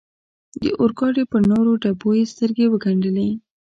د اورګاډي پر نورو ډبو یې سترګې و ګنډلې.